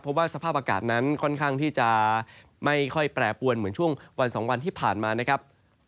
เพราะว่าสภาพอากาศนั้นค่อนข้างที่จะไม่ค่อยแปรปวนเหมือนช่วงวัน๒วันที่ผ่านมานะครับ